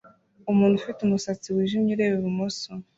Umuntu ufite umusatsi wijimye ureba ibumoso